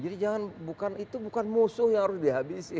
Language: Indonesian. jadi itu bukan musuh yang harus dihabisi